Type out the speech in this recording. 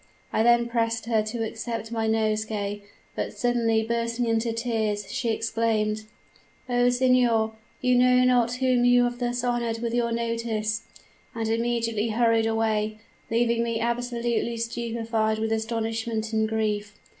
I then pressed her to accept my nosegay; but, suddenly bursting into tears, she exclaimed "'O, signor, you know not whom you have thus honored with your notice,' and hurried away, leaving me absolutely stupefied with astonishment and grief.